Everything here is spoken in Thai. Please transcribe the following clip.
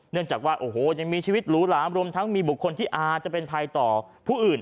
จากว่าโอ้โหยังมีชีวิตหรูหลามรวมทั้งมีบุคคลที่อาจจะเป็นภัยต่อผู้อื่น